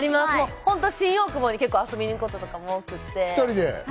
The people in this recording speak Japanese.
本当に新大久保に遊びに行くことも多くって。